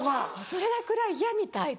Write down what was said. それくらい嫌みたいで。